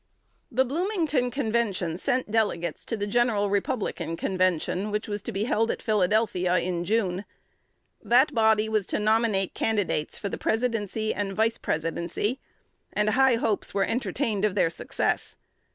'" The Bloomington Convention sent delegates to the general Republican Convention, which was to be held at Philadelphia in June. That body was to nominate candidates for the Presidency and Vice Presidency, and high hopes were entertained of their success.